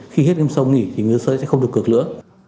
khi hết game show nghỉ thì người chơi sẽ không được cược nữa